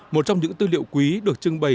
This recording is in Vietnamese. một trong những tư liệu quý được trưng bày